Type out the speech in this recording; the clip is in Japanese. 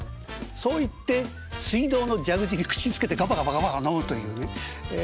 そう言って水道の蛇口に口つけてガバガバガバガバ飲むというええ